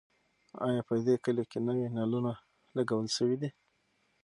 ایا په دې کلي کې نوي نلونه لګول شوي دي؟